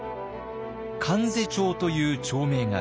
観世町という町名があります。